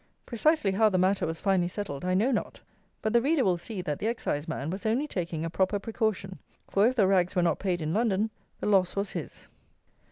Precisely how the matter was finally settled I know not; but the reader will see that the Exciseman was only taking a proper precaution; for if the rags were not paid in London, the loss was his.